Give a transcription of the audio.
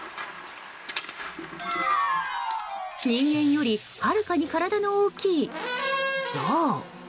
人間よりはるかに体の大きい、ゾウ。